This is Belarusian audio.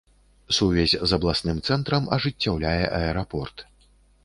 Сувязь з абласным цэнтрам ажыццяўляе аэрапорт.